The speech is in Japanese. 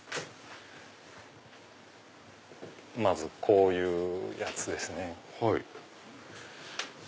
まずこういうやつですね。